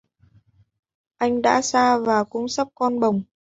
Anh đã xa và cũng sắp con bồng